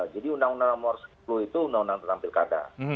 jadi undang undang nomor sepuluh itu undang undang tertampil kada